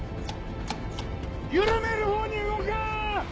緩めるほうに動かん！